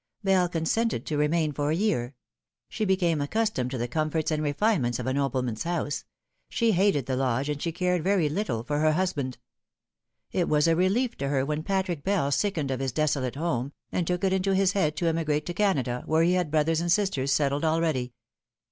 Bell consented to remain for a year ; she became accustomed to the comforts and refinements of a nobleman's house ; she hated the lodge, and she cared very little for her husband. It was a relief to her when Patrick Bell sickened of his desolate home, and took it into his head to emigrate to Canada, where he had brothers and sisters settled already.